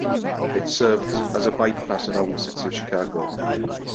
It serves as a bypass around the city of Chicago.